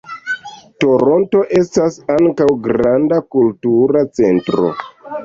Toronto estas ankaŭ granda kultura centro.